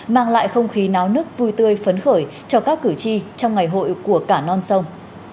mang lại không khí náo nức vui tươi phấn khởi cho các cử tri trong ngày hội của cả non sông